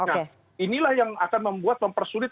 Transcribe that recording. nah inilah yang akan membuat mempersulit